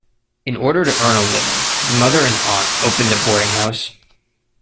In order to earn a living, his mother and aunt opened a boarding house.